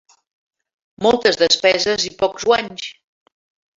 Moltes despeses i pocs guanys.